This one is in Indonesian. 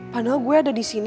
padahal gue ada disini